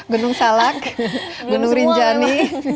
gunung salak gunung rinjani